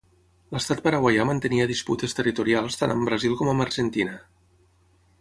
L'estat paraguaià mantenia disputes territorials tant amb Brasil com amb Argentina.